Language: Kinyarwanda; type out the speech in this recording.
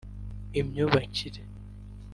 imyubakire